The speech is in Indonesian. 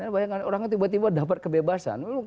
bayangkan orangnya tiba tiba dapat kebebasan